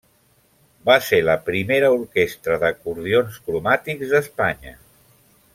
Va ser la primera orquestra d'acordions cromàtics d'Espanya.